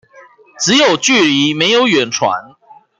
只有距離沒有遠傳